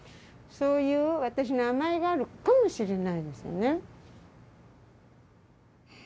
そういう私の甘えがあるかもしれないですよね。